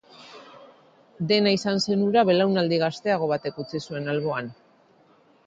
Dena izan zen hura belaunaldi gazteago batek utzi zuen alboan.